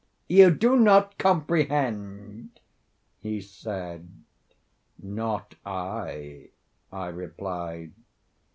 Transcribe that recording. "You do not comprehend?" he said. "Not I," I replied.